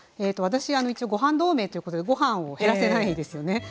私一応ごはん同盟ということでご飯を減らせないですよね。